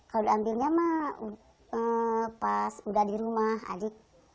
kalau diambilnya mah pas udah di rumah adik